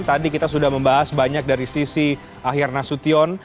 tadi kita sudah membahas banyak dari sisi ahyar nasution